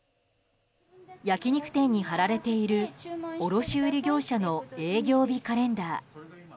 焼き肉店に貼られている卸売業者の営業日カレンダー。